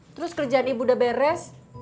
terus kerjaan ibu udah beres